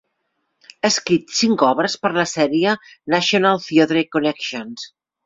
Ha escrit cinc obres per a la sèrie National Theatre Connections.